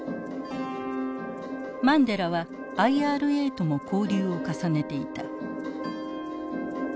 マンデラはＩＲＡとも交流を重ねていた。